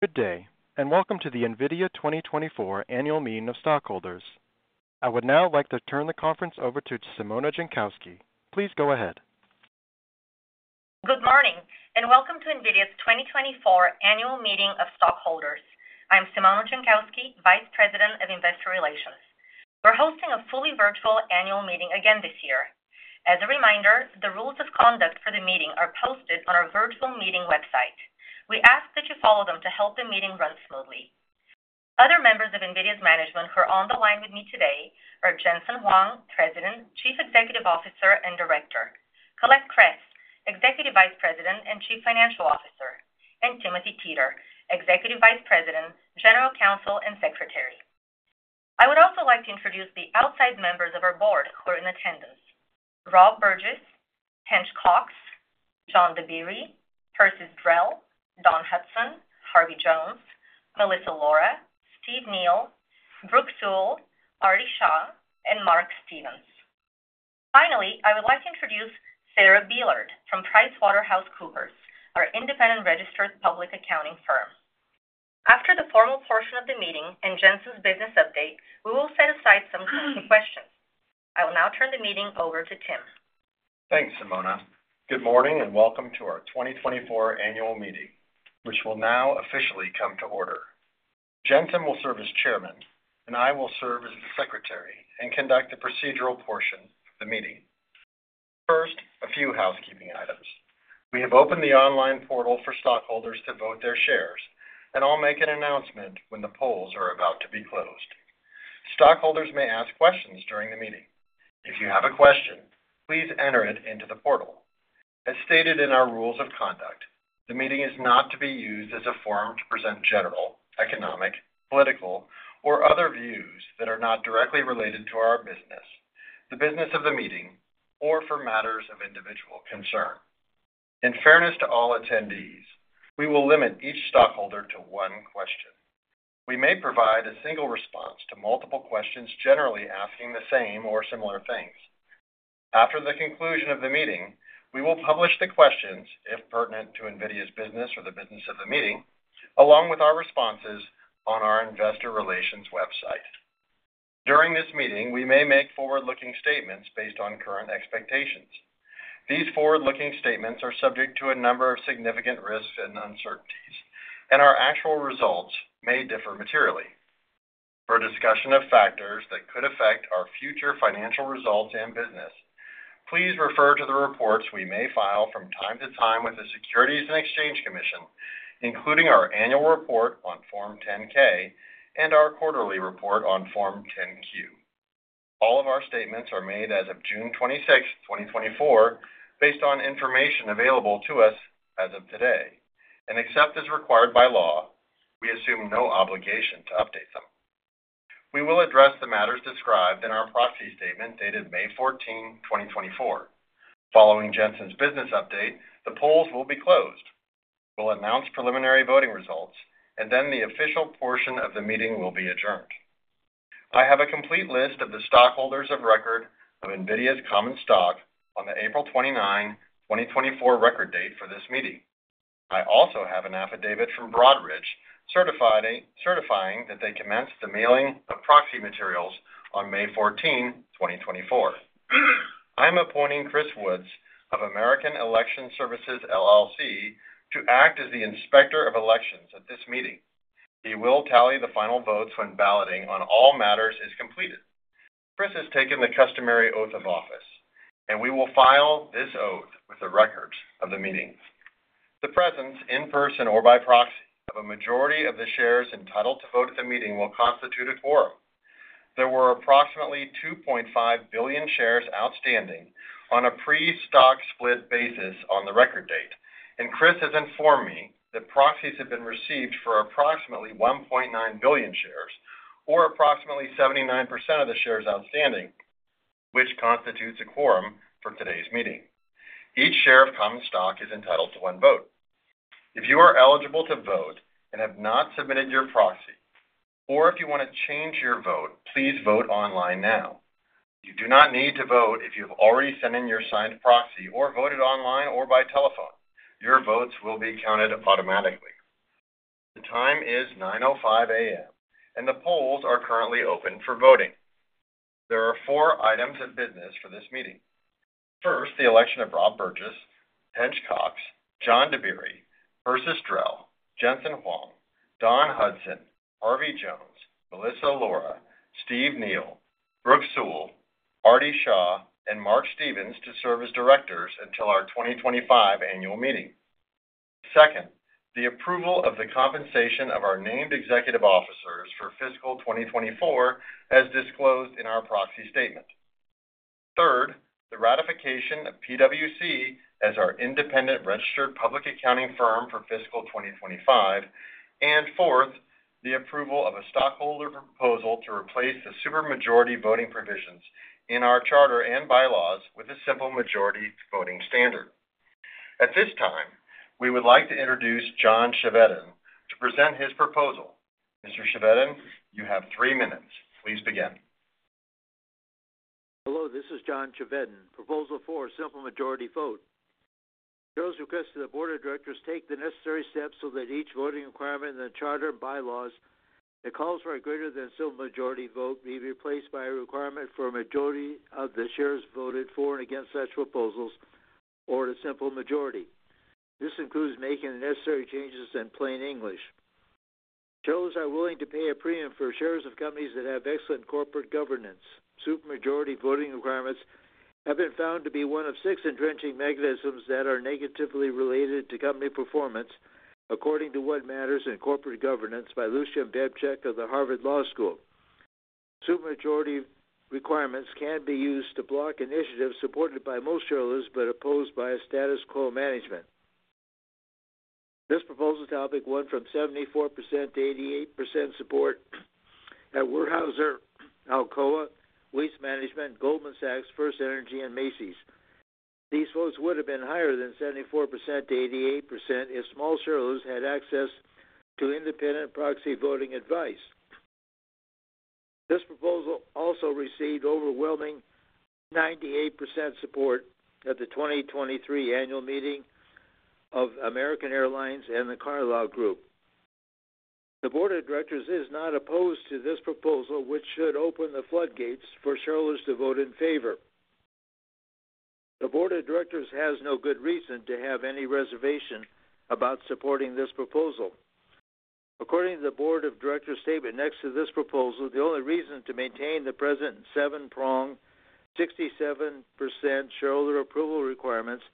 Good day, and welcome to the NVIDIA 2024 Annual Meeting of Stockholders. I would now like to turn the conference over to Simona Jankowski. Please go ahead. Good morning, and welcome to NVIDIA's 2024 Annual Meeting of Stockholders. I'm Simona Jankowski, Vice President of Investor Relations. We're hosting a fully virtual annual meeting again this year. As a reminder, the rules of conduct for the meeting are posted on our virtual meeting website. We ask that you follow them to help the meeting run smoothly. Other members of NVIDIA's management who are on the line with me today are Jensen Huang, President, Chief Executive Officer, and Director; Colette Kress, Executive Vice President and Chief Financial Officer; and Timothy Teter, Executive Vice President, General Counsel, and Secretary. I would also like to introduce the outside members of our board who are in attendance: Rob Burgess, Tench Coxe, John Dabiri, Persis Drell, Dawn Hudson, Harvey Jones, Melissa Lora, Steve Neal, Brooke Seawell, Aarti Shah, and Mark Stevens. Finally, I would like to introduce Sarah Beillard from PricewaterhouseCoopers, our independent registered public accounting firm. After the formal portion of the meeting and Jensen's business update, we will set aside some time for questions. I will now turn the meeting over to Tim. Thanks, Simona. Good morning, and welcome to our 2024 Annual Meeting, which will now officially come to order. Jensen will serve as Chairman, and I will serve as the Secretary and conduct the procedural portion of the meeting. First, a few housekeeping items. We have opened the online portal for stockholders to vote their shares, and I'll make an announcement when the polls are about to be closed. Stockholders may ask questions during the meeting. If you have a question, please enter it into the portal. As stated in our rules of conduct, the meeting is not to be used as a forum to present general, economic, political, or other views that are not directly related to our business, the business of the meeting, or for matters of individual concern. In fairness to all attendees, we will limit each stockholder to one question. We may provide a single response to multiple questions generally asking the same or similar things. After the conclusion of the meeting, we will publish the questions, if pertinent to NVIDIA's business or the business of the meeting, along with our responses on our Investor Relations website. During this meeting, we may make forward-looking statements based on current expectations. These forward-looking statements are subject to a number of significant risks and uncertainties, and our actual results may differ materially. For discussion of factors that could affect our future financial results and business, please refer to the reports we may file from time to time with the Securities and Exchange Commission, including our annual report on Form 10-K and our quarterly report on Form 10-Q. All of our statements are made as of June 26, 2024, based on information available to us as of today, and except as required by law, we assume no obligation to update them. We will address the matters described in our proxy statement dated May 14, 2024. Following Jensen's business update, the polls will be closed. We'll announce preliminary voting results, and then the official portion of the meeting will be adjourned. I have a complete list of the stockholders of record of NVIDIA's common stock on the April 29, 2024, record date for this meeting. I also have an affidavit from Broadridge certifying that they commenced the mailing of proxy materials on May 14, 2024. I am appointing Chris Woods of American Election Services, LLC, to act as the inspector of elections at this meeting. He will tally the final votes when balloting on all matters is completed. Chris has taken the customary oath of office, and we will file this oath with the records of the meeting. The presence, in person or by proxy, of a majority of the shares entitled to vote at the meeting will constitute a quorum. There were approximately 2.5 billion shares outstanding on a pre-stock split basis on the record date, and Chris has informed me that proxies have been received for approximately 1.9 billion shares, or approximately 79% of the shares outstanding, which constitutes a quorum for today's meeting. Each share of common stock is entitled to one vote. If you are eligible to vote and have not submitted your proxy, or if you want to change your vote, please vote online now. You do not need to vote if you have already sent in your signed proxy or voted online or by telephone. Your votes will be counted automatically. The time is 9:05 A.M., and the polls are currently open for voting. There are four items of business for this meeting. First, the election of Robert K. Burgess, Tench Coxe, John E. Dabiri, Persis S. Drell, Jensen Huang, Dawn E. Hudson, Harvey C. Jones, Melissa Lora, Stephen C. Neal, Brooke Seawell, Aarti S. Shah, and Mark A. Stevens to serve as directors until our 2025 Annual Meeting. Second, the approval of the compensation of our named executive officers for fiscal 2024, as disclosed in our proxy statement. Third, the ratification of PwC as our independent registered public accounting firm for fiscal 2025. And fourth, the approval of a stockholder proposal to replace the supermajority voting provisions in our charter and bylaws with a simple majority voting standard. At this time, we would like to introduce John Chevedden to present his proposal. Mr. Chevedden, you have three minutes. Please begin. Hello, this is John Chevedden. Proposal for a simple majority vote. Chair's request to the board of directors take the necessary steps so that each voting requirement in the charter and bylaws that calls for a greater than simple majority vote be replaced by a requirement for a majority of the shares voted for and against such proposals, or a simple majority. This includes making the necessary changes in plain English. Shareholders are willing to pay a premium for shares of companies that have excellent corporate governance. Supermajority voting requirements have been found to be one of six entrenching mechanisms that are negatively related to company performance, according to What Matters in Corporate Governance by Lucian Bebchuk of the Harvard Law School. Supermajority requirements can be used to block initiatives supported by most shareholders but opposed by status quo management. This proposal topic went from 74% - 88% support at Weyerhaeuser, Alcoa, Waste Management, Goldman Sachs, FirstEnergy, and Macy's. These votes would have been higher than 74% - 88% if small shareholders had access to independent proxy voting advice. This proposal also received overwhelming 98% support at the 2023 Annual Meeting of American Airlines and the Carlyle Group. The board of directors is not opposed to this proposal, which should open the floodgates for shareholders to vote in favor. The board of directors has no good reason to have any reservation about supporting this proposal. According to the board of directors' statement next to this proposal, the only reason to maintain the present seven-prong 67% shareholder approval requirements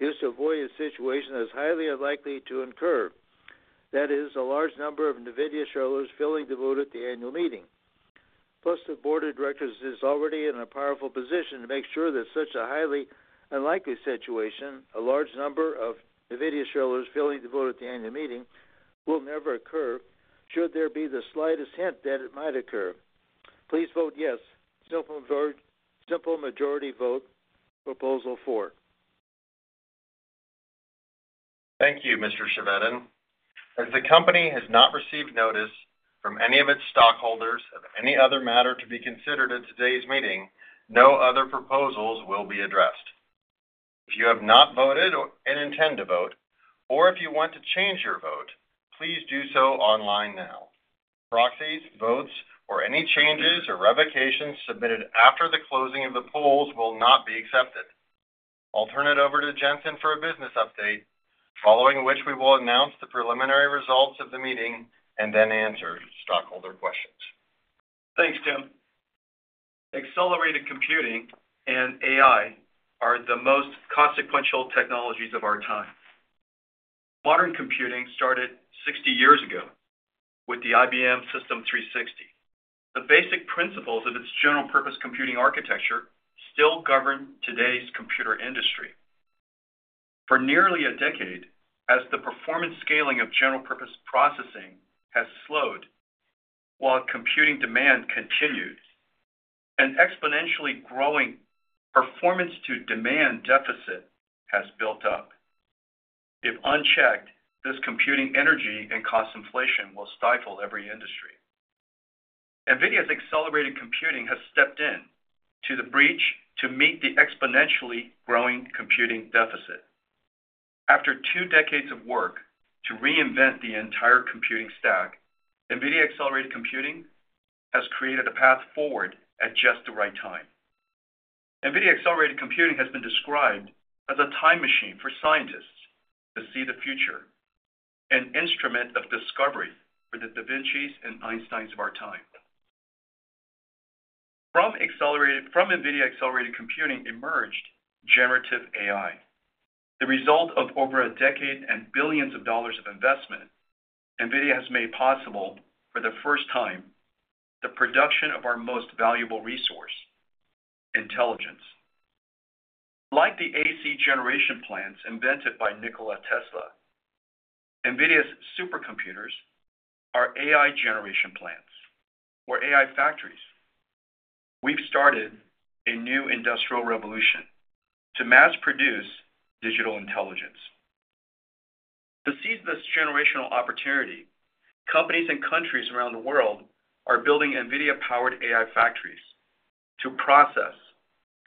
is to avoid a situation that is highly unlikely to occur. That is, a large number of NVIDIA shareholders failing to vote at the annual meeting. Plus, the board of directors is already in a powerful position to make sure that such a highly unlikely situation, a large number of NVIDIA shareholders failing to vote at the annual meeting, will never occur should there be the slightest hint that it might occur. Please vote yes, simple majority vote proposal for. Thank you, Mr. Chevedden. As the company has not received notice from any of its stockholders of any other matter to be considered at today's meeting, no other proposals will be addressed. If you have not voted and intend to vote, or if you want to change your vote, please do so online now. Proxies, votes, or any changes or revocations submitted after the closing of the polls will not be accepted. I'll turn it over to Jensen for a business update, following which we will announce the preliminary results of the meeting and then answer stockholder questions. Thanks, Tim. Accelerated computing and AI are the most consequential technologies of our time. Modern computing started 60 years ago with the IBM System/360. The basic principles of its general-purpose computing architecture still govern today's computer industry. For nearly a decade, as the performance scaling of general-purpose processing has slowed while computing demand continued, an exponentially growing performance-to-demand deficit has built up. If unchecked, this computing energy and cost inflation will stifle every industry. NVIDIA's accelerated computing has stepped in to the breach to meet the exponentially growing computing deficit. After two decades of work to reinvent the entire computing stack, NVIDIA Accelerated Computing has created a path forward at just the right time. NVIDIA Accelerated Computing has been described as a time machine for scientists to see the future, an instrument of discovery for the da Vincis and Einsteins of our time. From NVIDIA Accelerated Computing emerged generative AI. The result of over a decade and billions of dollars of investment, NVIDIA has made possible, for the first time, the production of our most valuable resource: intelligence. Like the AC generation plants invented by Nikola Tesla, NVIDIA's supercomputers are AI generation plants or AI factories. We've started a new industrial revolution to mass-produce digital intelligence. To seize this generational opportunity, companies and countries around the world are building NVIDIA-powered AI factories to process,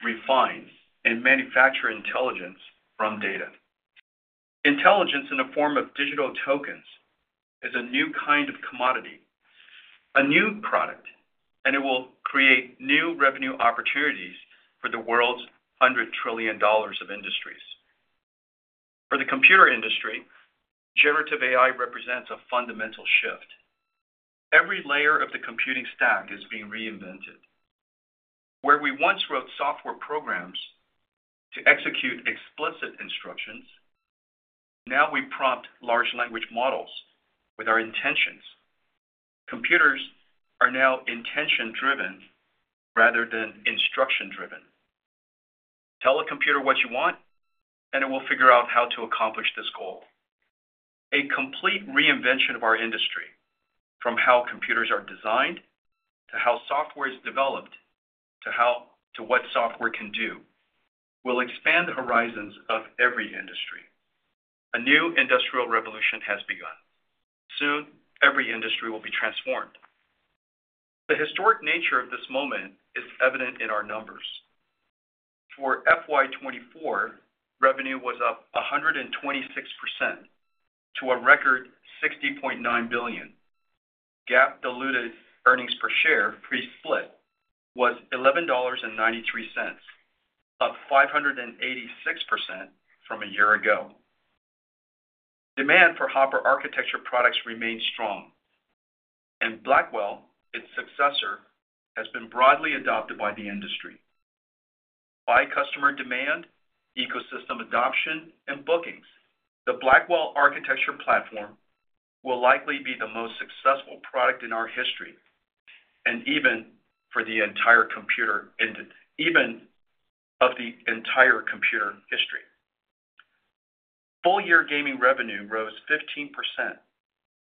refine, and manufacture intelligence from data. Intelligence in the form of digital tokens is a new kind of commodity, a new product, and it will create new revenue opportunities for the world's $100 trillion of industries. For the computer industry, generative AI represents a fundamental shift. Every layer of the computing stack is being reinvented. Where we once wrote software programs to execute explicit instructions, now we prompt large language models with our intentions. Computers are now intention-driven rather than instruction-driven. Tell a computer what you want, and it will figure out how to accomplish this goal. A complete reinvention of our industry, from how computers are designed to how software is developed to what software can do, will expand the horizons of every industry. A new industrial revolution has begun. Soon, every industry will be transformed. The historic nature of this moment is evident in our numbers. For FY24, revenue was up 126% to a record $60.9 billion. GAAP-diluted earnings --per share pre-split was $11.93, up 586% from a year ago. Demand for Hopper architecture products remains strong, and Blackwell, its successor, has been broadly adopted by the industry. By customer demand, ecosystem adoption, and bookings, the Blackwell architecture platform will likely be the most successful product in our history and even for the entire computer history. Full-year gaming revenue rose 15%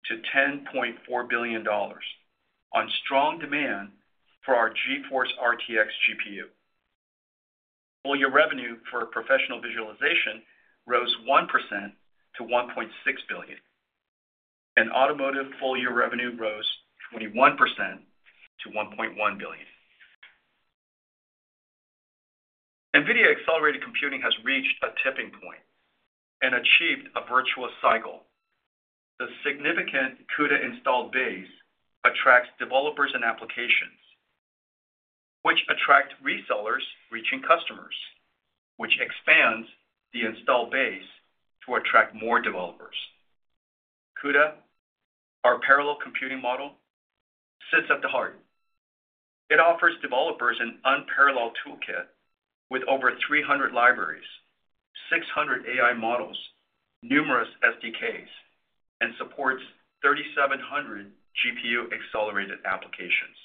to $10.4 billion on strong demand for our GeForce RTX GPU. Full-year revenue for professional visualization rose 1% to $1.6 billion. Automotive full-year revenue rose 21% to $1.1 billion. NVIDIA Accelerated Computing has reached a tipping point and achieved a virtuous cycle. The significant CUDA install base attracts developers and applications, which attract resellers reaching customers, which expands the install base to attract more developers. CUDA, our parallel computing model, sits at the heart. It offers developers an unparalleled toolkit with over 300 libraries, 600 AI models, numerous SDKs, and supports 3,700 GPU-accelerated applications.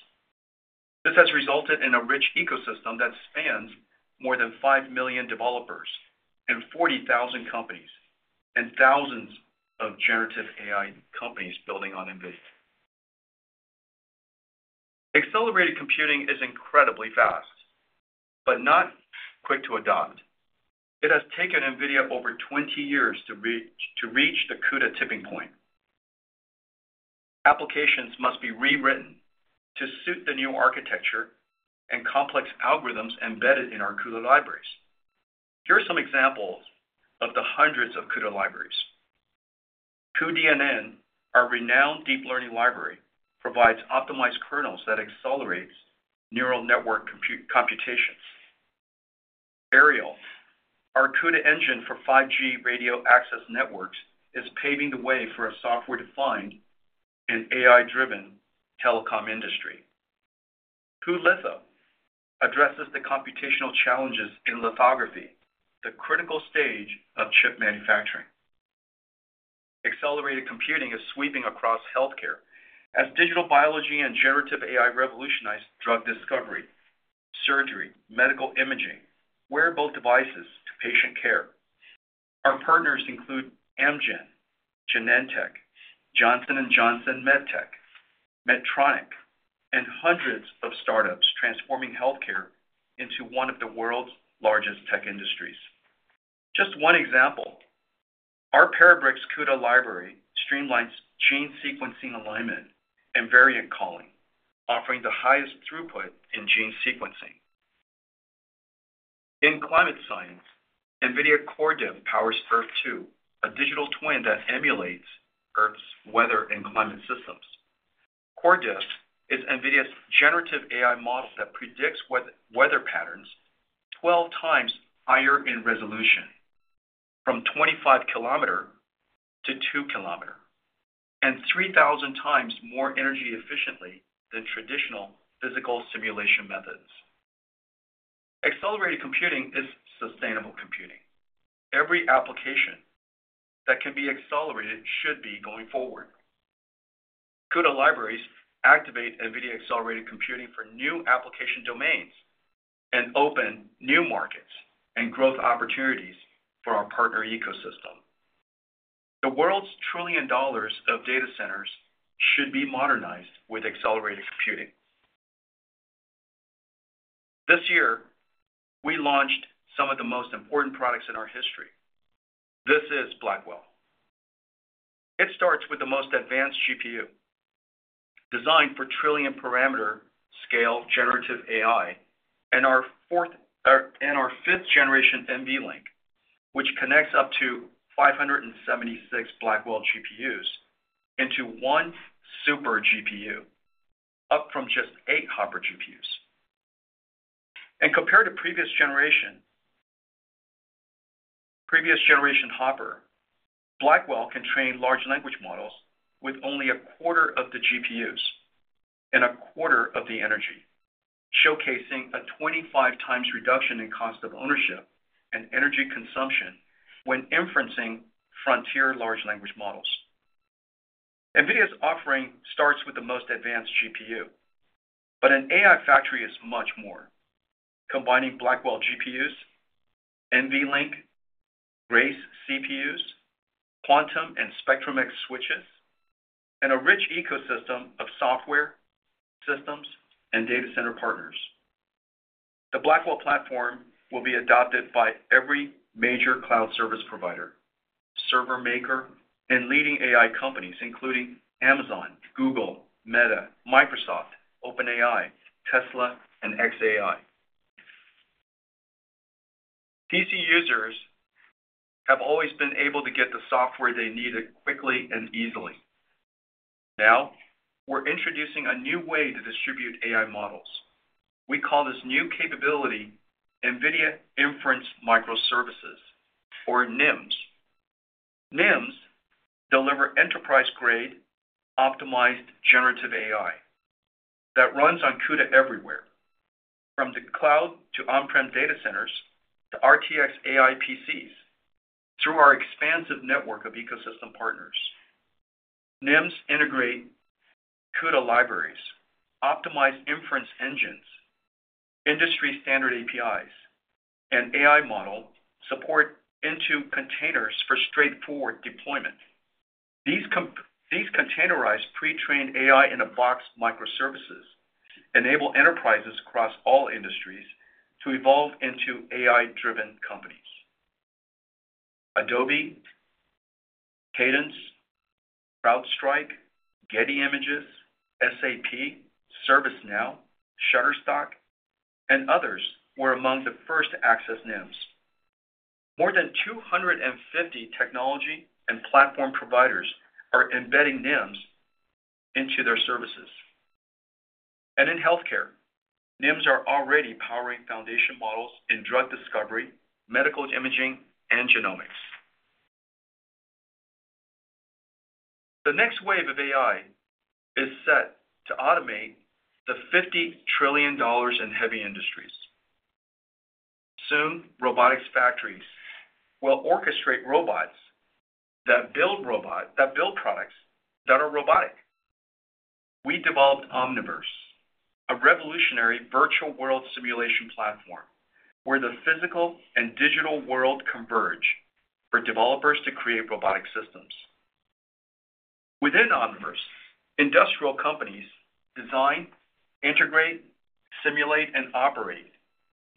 This has resulted in a rich ecosystem that spans more than 5 million developers and 40,000 companies and thousands of generative AI companies building on NVIDIA. Accelerated computing is incredibly fast, but not quick to adopt. It has taken NVIDIA over 20 years to reach the CUDA tipping point. Applications must be rewritten to suit the new architecture and complex algorithms embedded in our CUDA libraries. Here are some examples of the hundreds of CUDA libraries. cuDNN, our renowned deep learning library, provides optimized kernels that accelerate neural network computations. Aerial, our CUDA engine for 5G radio access networks, is paving the way for a software-defined and AI-driven telecom industry. cuLitho addresses the computational challenges in lithography, the critical stage of chip manufacturing. Accelerated computing is sweeping across healthcare as digital biology and generative AI revolutionize drug discovery, surgery, medical imaging, wearable devices, and patient care. Our partners include Amgen, Genentech, Johnson & Johnson MedTech, Medtronic, and hundreds of startups transforming healthcare into one of the world's largest tech industries. Just one example, our Parabricks CUDA library streamlines gene sequencing alignment and variant calling, offering the highest throughput in gene sequencing. In climate science, NVIDIA CorrDiff powers Earth-2, a digital twin that emulates Earth's weather and climate systems. CorrDiff is NVIDIA's generative AI model that predicts weather patterns 12x higher in resolution, from 25 km to 2 km, and 3,000x more energy efficiently than traditional physical simulation methods. Accelerated computing is sustainable computing. Every application that can be accelerated should be going forward. CUDA libraries activate NVIDIA Accelerated Computing for new application domains and open new markets and growth opportunities for our partner ecosystem. The world's trillion dollars of data centers should be modernized with accelerated computing. This year, we launched some of the most important products in our history. This is Blackwell. It starts with the most advanced GPU designed for trillion-parameter scale generative AI and our fifth-generation NVLink, which connects up to 576 Blackwell GPUs into one super GPU, up from just 8 Hopper GPUs. Compared to previous generation Hopper, Blackwell can train large language models with only a quarter of the GPUs and a quarter of the energy, showcasing a 25x reduction in cost of ownership and energy consumption when inferencing frontier large language models. NVIDIA's offering starts with the most advanced GPU, but an AI factory is much more, combining Blackwell GPUs, NVLink, Grace CPUs, Quantum and Spectrum-X switches, and a rich ecosystem of software systems and data center partners. The Blackwell platform will be adopted by every major cloud service provider, server maker, and leading AI companies, including Amazon, Google, Meta, Microsoft, OpenAI, Tesla, and xAI. PC users have always been able to get the software they needed quickly and easily. Now, we're introducing a new way to distribute AI models. We call this new capability NVIDIA Inference Microservices, or NIMs. NIMs deliver enterprise-grade optimized generative AI that runs on CUDA everywhere, from the cloud to on-prem data centers to RTX AI PCs, through our expansive network of ecosystem partners. NIMs integrate CUDA libraries, optimized inference engines, industry-standard APIs, and AI model support into containers for straightforward deployment. These containerized pre-trained AI-in-a-box microservices enable enterprises across all industries to evolve into AI-driven companies. Adobe, Cadence, CrowdStrike, Getty Images, SAP, ServiceNow, Shutterstock, and others were among the first to access NIMs. More than 250 technology and platform providers are embedding NIMs into their services. In healthcare, NIMs are already powering foundation models in drug discovery, medical imaging, and genomics. The next wave of AI is set to automate the $50 trillion in heavy industries. Soon, robotics factories will orchestrate robots that build products that are robotic. We developed Omniverse, a revolutionary virtual world simulation platform where the physical and digital world converge for developers to create robotic systems. Within Omniverse, industrial companies design, integrate, simulate, and operate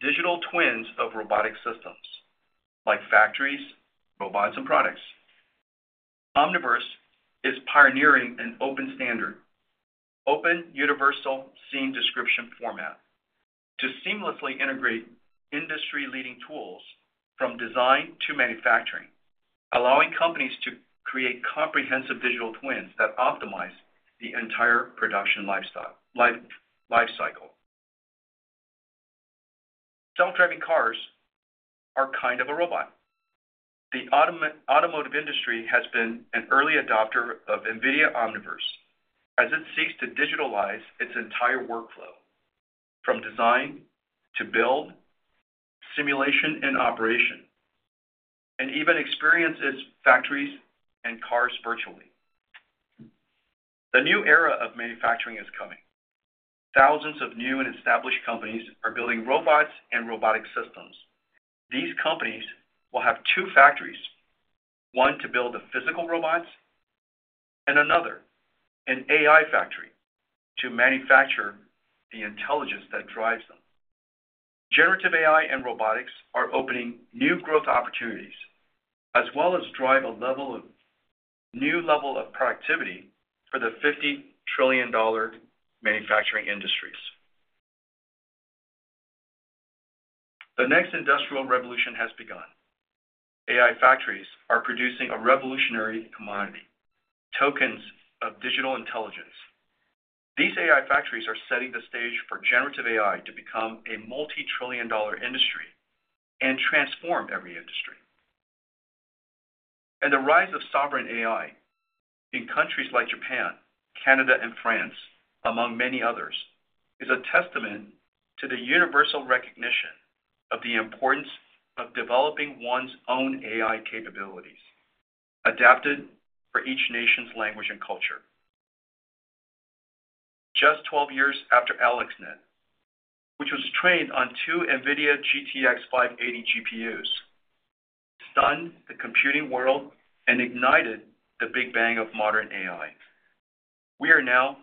digital twins of robotic systems, like factories, robots, and products. Omniverse is pioneering an open standard, open Universal Scene Description format to seamlessly integrate industry-leading tools from design to manufacturing, allowing companies to create comprehensive digital twins that optimize the entire production lifecycle. Self-driving cars are kind of a robot. The automotive industry has been an early adopter of NVIDIA Omniverse as it seeks to digitalize its entire workflow, from design to build, simulation and operation, and even experience its factories and cars virtually. The new era of manufacturing is coming. Thousands of new and established companies are building robots and robotic systems. These companies will have two factories: one to build the physical robots and another, an AI factory to manufacture the intelligence that drives them. Generative AI and robotics are opening new growth opportunities as well as driving a new level of productivity for the $50 trillion manufacturing industries. The next industrial revolution has begun. AI factories are producing a revolutionary commodity: tokens of digital intelligence. These AI factories are setting the stage for generative AI to become a multi-trillion dollar industry and transform every industry. The rise of sovereign AI in countries like Japan, Canada, and France, among many others, is a testament to the universal recognition of the importance of developing one's own AI capabilities adapted for each nation's language and culture. Just 12 years after AlexNet, which was trained on two NVIDIA GTX 580 GPUs, stunned the computing world and ignited the Big Bang of modern AI, we are now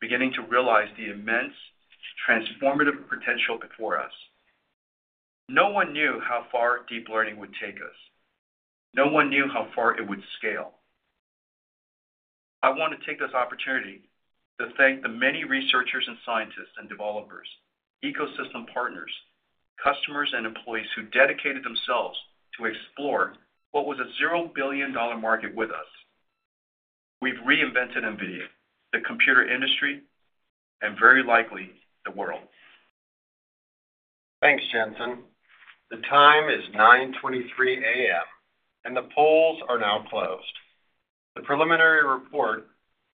beginning to realize the immense transformative potential before us. No one knew how far deep learning would take us. No one knew how far it would scale. I want to take this opportunity to thank the many researchers and scientists and developers, ecosystem partners, customers, and employees who dedicated themselves to explore what was a $0 billion market with us. We've reinvented NVIDIA, the computer industry, and very likely the world. Thanks, Jensen. The time is 9:23 A.M., and the polls are now closed. The preliminary report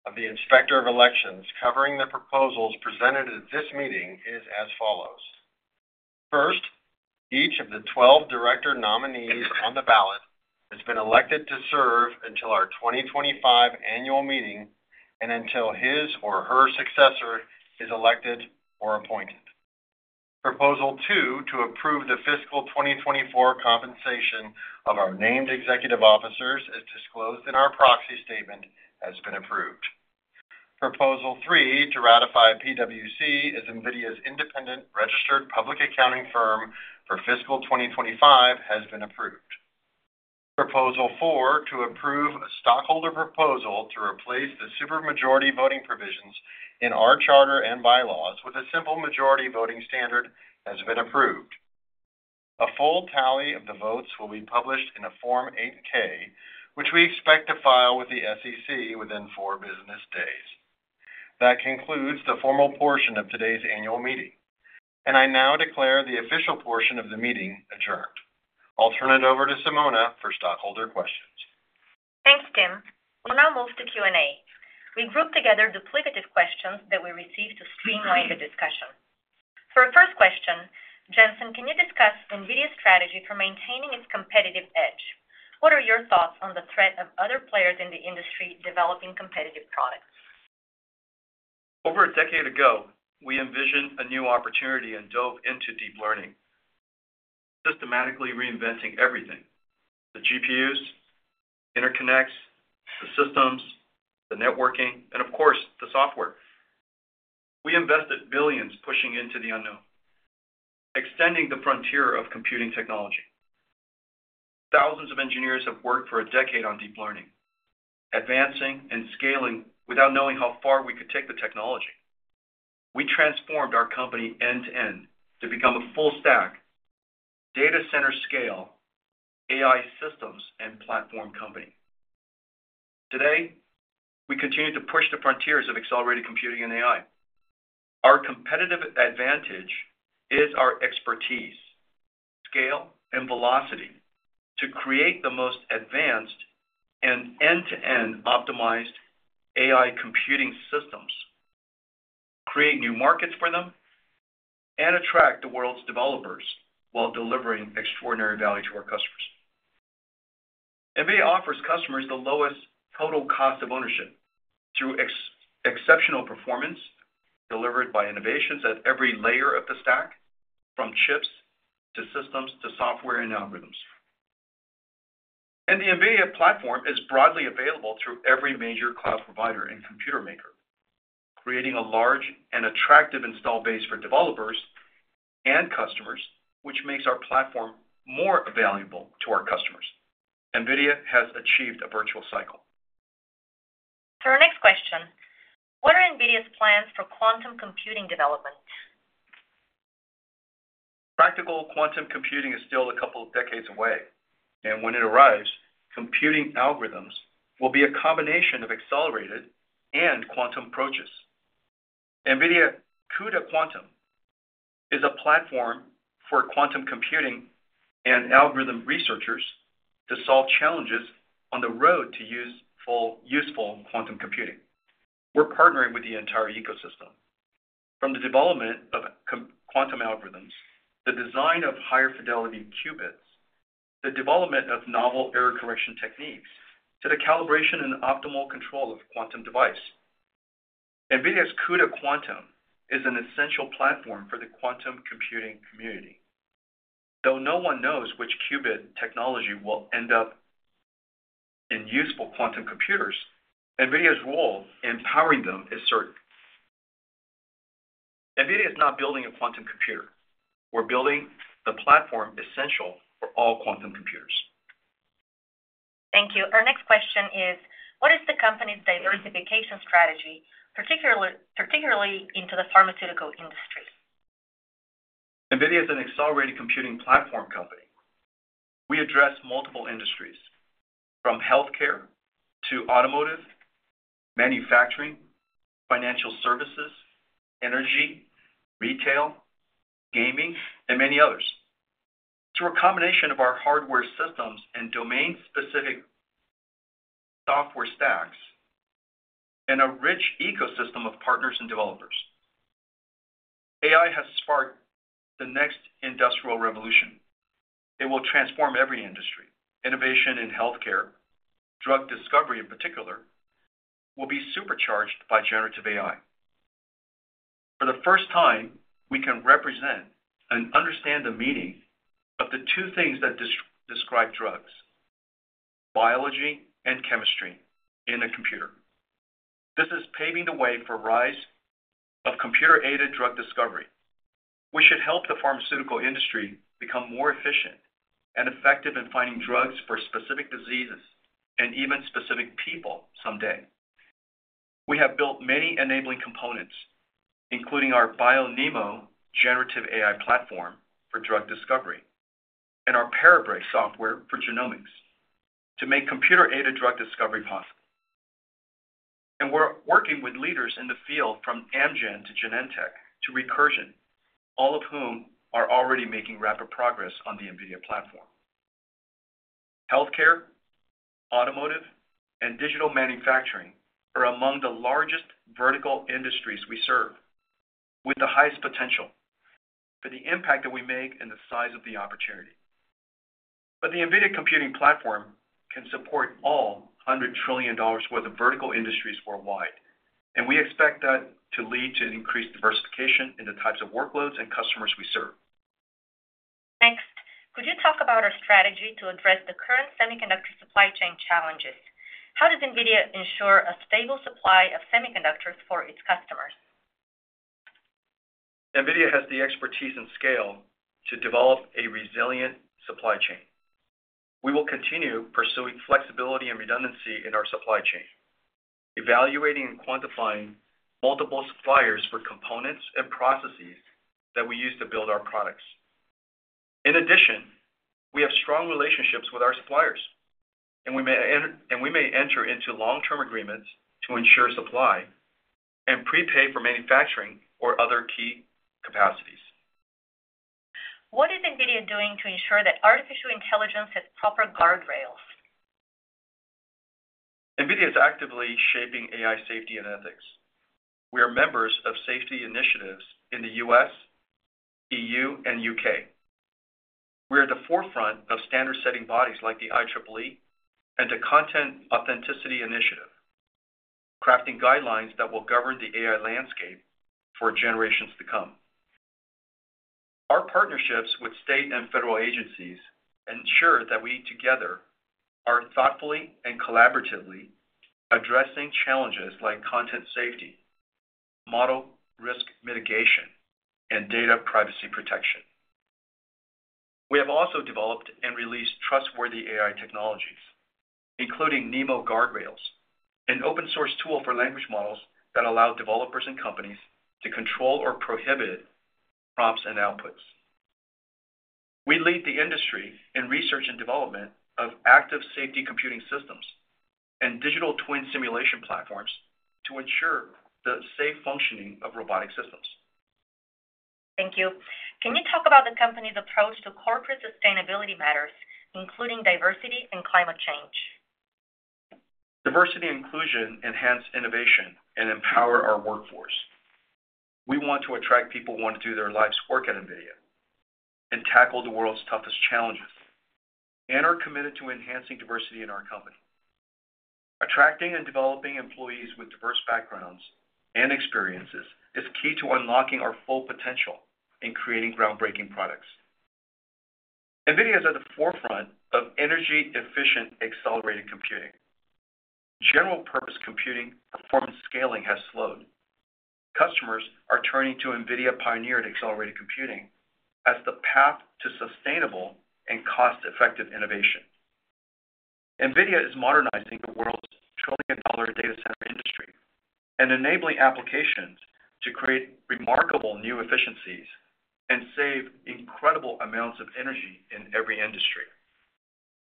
of the inspector of elections covering the proposals presented at this meeting is as follows. First, each of the 12 director nominees on the ballot has been elected to serve until our 2025 annual meeting and until his or her successor is elected or appointed. Proposal two to approve the fiscal 2024 compensation of our named executive officers as disclosed in our proxy statement has been approved. Proposal three to ratify PwC as NVIDIA's independent registered public accounting firm for fiscal 2025 has been approved. Proposal four to approve a stockholder proposal to replace the supermajority voting provisions in our charter and bylaws with a simple majority voting standard has been approved. A full tally of the votes will be published in a Form 8-K, which we expect to file with the SEC within four business days. That concludes the formal portion of today's annual meeting, and I now declare the official portion of the meeting adjourned. I'll turn it over to Simona for stockholder questions. Thanks, Tim. We'll now move to Q&A. We grouped together duplicative questions that we received to streamline the discussion. For our first question, Jensen, can you discuss NVIDIA's strategy for maintaining its competitive edge? What are your thoughts on the threat of other players in the industry developing competitive products? Over a decade ago, we envisioned a new opportunity and dove into deep learning, systematically reinventing everything: the GPUs, the interconnects, the systems, the networking, and of course, the software. We invested billions pushing into the unknown, extending the frontier of computing technology. Thousands of engineers have worked for a decade on deep learning, advancing and scaling without knowing how far we could take the technology. We transformed our company end-to-end to become a full-stack data center scale AI systems and platform company. Today, we continue to push the frontiers of accelerated computing and AI. Our competitive advantage is our expertise, scale, and velocity to create the most advanced and end-to-end optimized AI computing systems, create new markets for them, and attract the world's developers while delivering extraordinary value to our customers. NVIDIA offers customers the lowest total cost of ownership through exceptional performance delivered by innovations at every layer of the stack, from chips to systems to software and algorithms. The NVIDIA platform is broadly available through every major cloud provider and computer maker, creating a large and attractive install base for developers and customers, which makes our platform more valuable to our customers. NVIDIA has achieved a virtuous cycle. For our next question, what are NVIDIA's plans for quantum computing development? Practical quantum computing is still a couple of decades away, and when it arrives, computing algorithms will be a combination of accelerated and quantum approaches. NVIDIA CUDA Quantum is a platform for quantum computing and algorithm researchers to solve challenges on the road to useful quantum computing. We're partnering with the entire ecosystem, from the development of quantum algorithms, the design of higher fidelity qubits, the development of novel error correction techniques, to the calibration and optimal control of quantum devices. NVIDIA's CUDA Quantum is an essential platform for the quantum computing community. Though no one knows which qubit technology will end up in useful quantum computers, NVIDIA's role in powering them is certain. NVIDIA is not building a quantum computer. We're building the platform essential for all quantum computers. Thank you. Our next question is, what is the company's diversification strategy, particularly into the pharmaceutical industry? NVIDIA is an accelerated computing platform company. We address multiple industries, from healthcare to automotive, manufacturing, financial services, energy, retail, gaming, and many others, through a combination of our hardware systems and domain-specific software stacks and a rich ecosystem of partners and developers. AI has sparked the next industrial revolution. It will transform every industry. Innovation in healthcare, drug discovery in particular, will be supercharged by generative AI. For the first time, we can represent and understand the meaning of the two things that describe drugs: biology and chemistry in a computer. This is paving the way for the rise of computer-aided drug discovery, which should help the pharmaceutical industry become more efficient and effective in finding drugs for specific diseases and even specific people someday. We have built many enabling components, including our BioNeMo generative AI platform for drug discovery and our Parabricks software for genomics, to make computer-aided drug discovery possible. And we're working with leaders in the field from Amgen to Genentech to Recursion, all of whom are already making rapid progress on the NVIDIA platform. Healthcare, automotive, and digital manufacturing are among the largest vertical industries we serve, with the highest potential for the impact that we make and the size of the opportunity. But the NVIDIA computing platform can support all $100 trillion worth of vertical industries worldwide, and we expect that to lead to increased diversification in the types of workloads and customers we serve. Next, could you talk about our strategy to address the current semiconductor supply chain challenges? How does NVIDIA ensure a stable supply of semiconductors for its customers? NVIDIA has the expertise and scale to develop a resilient supply chain. We will continue pursuing flexibility and redundancy in our supply chain, evaluating and quantifying multiple suppliers for components and processes that we use to build our products. In addition, we have strong relationships with our suppliers, and we may enter into long-term agreements to ensure supply and prepay for manufacturing or other key capacities. What is NVIDIA doing to ensure that artificial intelligence has proper guardrails? NVIDIA is actively shaping AI safety and ethics. We are members of safety initiatives in the U.S., E.U., and U.K. We are at the forefront of standard-setting bodies like the IEEE and the Content Authenticity Initiative, crafting guidelines that will govern the AI landscape for generations to come. Our partnerships with state and federal agencies ensure that we together are thoughtfully and collaboratively addressing challenges like content safety, model risk mitigation, and data privacy protection. We have also developed and released trustworthy AI technologies, including NeMo Guardrails, an open-source tool for language models that allow developers and companies to control or prohibit prompts and outputs. We lead the industry in research and development of active safety computing systems and digital twin simulation platforms to ensure the safe functioning of robotic systems. Thank you. Can you talk about the company's approach to corporate sustainability matters, including diversity and climate change? Diversity and inclusion enhance innovation and empower our workforce. We want to attract people who want to do their life's work at NVIDIA and tackle the world's toughest challenges and are committed to enhancing diversity in our company. Attracting and developing employees with diverse backgrounds and experiences is key to unlocking our full potential and creating groundbreaking products. NVIDIA is at the forefront of energy-efficient accelerated computing. General-purpose computing performance scaling has slowed. Customers are turning to NVIDIA-pioneered accelerated computing as the path to sustainable and cost-effective innovation. NVIDIA is modernizing the world's trillion-dollar data center industry and enabling applications to create remarkable new efficiencies and save incredible amounts of energy in every industry.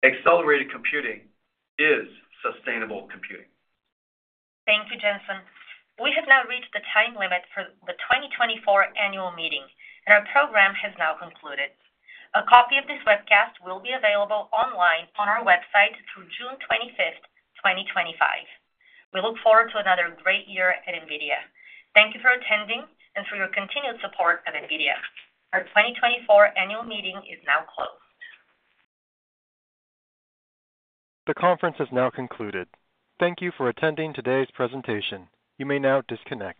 Accelerated computing is sustainable computing. Thank you, Jensen. We have now reached the time limit for the 2024 annual meeting, and our program has now concluded. A copy of this webcast will be available online on our website through June 25th, 2025. We look forward to another great year at NVIDIA. Thank you for attending and for your continued support of NVIDIA. Our 2024 annual meeting is now closed. The conference has now concluded. Thank you for attending today's presentation. You may now disconnect.